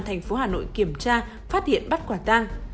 tp hà nội kiểm tra phát hiện bắt quả tang